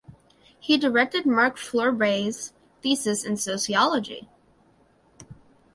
He directed Marc Fleurbaey’s thesis in Sociology.